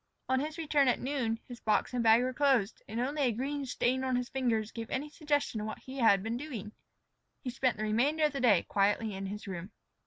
On his return at noon, his box and bag were closed, and only a green stain on his fingers gave any suggestion of what he had been doing. He spent the remainder of the day quietly in his room.